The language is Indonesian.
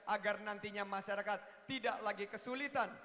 agar nantinya masyarakat tidak lagi kesulitan